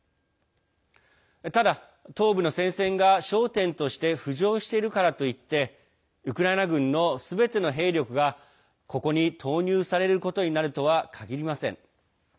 ただ、東部の戦線が焦点として浮上しているからといってウクライナ軍のすべての兵力がここに投入されることになるとは限りません。